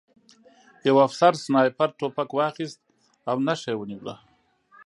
یوه افسر سنایپر توپک واخیست او نښه یې ونیوله